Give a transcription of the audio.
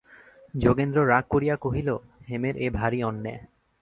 যোগেন্দ্র রাগ করিয়া কহিল, হেমের এ ভারি অন্যায়।